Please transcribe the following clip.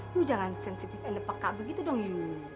yuk jangan sensitif enda pekak begitu dong yuk